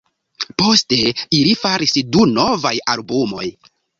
Poste ili faris du novaj albumoj.